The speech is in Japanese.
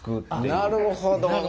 なるほど。